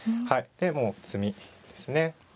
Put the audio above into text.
でもう詰みですね。